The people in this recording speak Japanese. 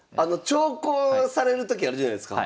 長考される時あるじゃないすか。